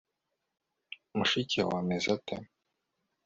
mushiki wawe ameze ate